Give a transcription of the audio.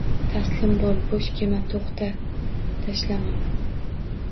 Taslim bo’l! Bo’sh kelma! To’xta! Tashlama!